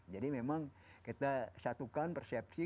jadi memang kita satukan persepsi